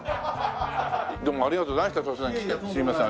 ありがとうございます。